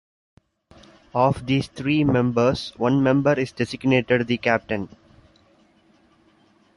Of these three members, one member is designated the captain.